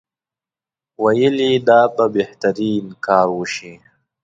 ویل یې دا به بهترین کار وشي.